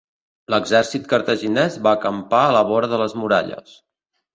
L'exèrcit cartaginès va acampar a la vora de les muralles.